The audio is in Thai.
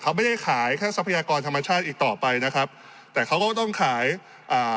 เขาไม่ได้ขายแค่ทรัพยากรธรรมชาติอีกต่อไปนะครับแต่เขาก็ต้องขายอ่า